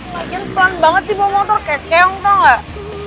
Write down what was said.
lagian pelan banget sih bawa motor kekeong tau gak